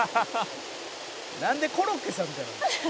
「なんでコロッケさんみたいな」